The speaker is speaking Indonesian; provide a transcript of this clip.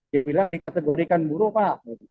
dibilang dikategorikan buruk pak